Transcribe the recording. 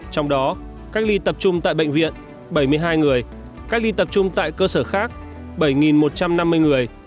trong đó cách ly tập trung tại bệnh viện bảy mươi hai người cách ly tập trung tại cơ sở khác bảy một trăm năm mươi người